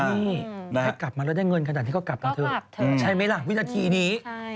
อืมให้กลับมาแล้วได้เงินขนาดที่ก็กลับมาเถอะใช่มั้ยล่ะวินัจฐีนี้